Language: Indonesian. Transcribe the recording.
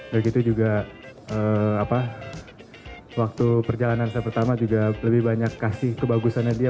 begitu juga waktu perjalanan saya pertama juga lebih banyak kasih kebagusannya dia